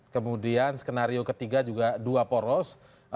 kemudian skenario ketiga juga dua poros